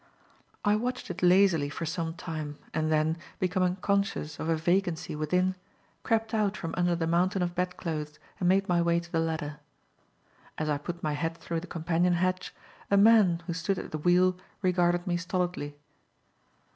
I watched it lazily for some time and then, becoming conscious of a vacancy within, crept out from under the mountain of bedclothes and made my way to the ladder. As I put my head through the companion hatch, a man who stood at the wheel regarded me stolidly.